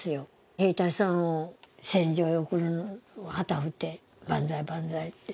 兵隊さんを戦場へ送る、旗を振って万歳、万歳って。